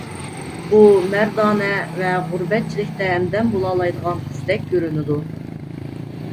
بۇ مەردانە ۋە غۇربەتچىلىكتە ھەمدەم بولالايدىغان قىزدەك كۆرۈنىدۇ.